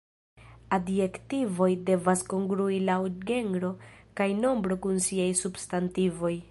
Adjektivoj devas kongrui laŭ genro kaj nombro kun siaj substantivoj.